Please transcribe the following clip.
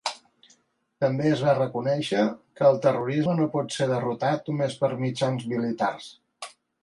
També es va reconèixer que el terrorisme no pot ser derrotat només per mitjans militars.